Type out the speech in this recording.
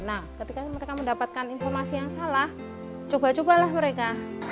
nah ketika mereka mendapatkan informasi yang salah coba cobalah mereka